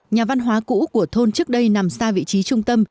nhà văn hóa cũ của thôn trước đây nằm xa vị trí trung tâm